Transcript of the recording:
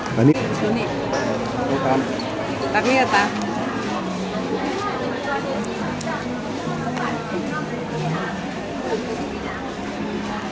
พี่เจ้าก็หม่อไปเลยอ๋อถ้าเย็นเริ่มจะหมดของจะหมดอ๋อ